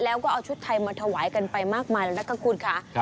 แล้วก็เอาชุดไทยมาถวายกันไปมากมายแล้วนะคะคุณค่ะ